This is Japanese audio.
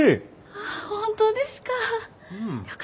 あ本当ですか。